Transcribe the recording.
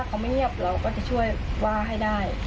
เขาไม่เงียบเราก็จะช่วยว่าให้ได้